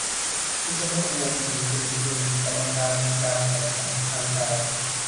- วิษณุ วงศ์สินศิริกุล กรรมการการแข่งขันทางการ